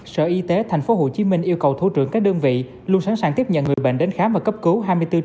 sở y tế tp hcm yêu cầu thủ trưởng các đơn vị luôn sẵn sàng tiếp nhận người bệnh đến khám và cấp cứu hai mươi bốn